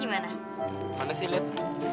mana sih lihat